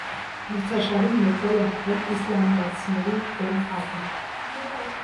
Մրցաշարում մեկ գոլ է խփել իսլանդացիների դեմ խաղում։